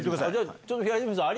ちょっと平泉さん